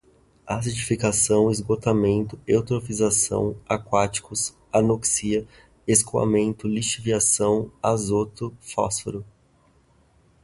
acidificação, esgotamento, eutrofização, aquáticos, anoxia, escoamento, lixiviação, azoto, fósforo